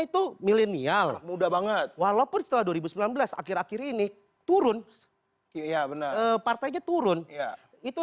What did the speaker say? itu milenial muda banget walaupun setelah dua ribu sembilan belas akhir akhir ini turun iya benar partainya turun ya itu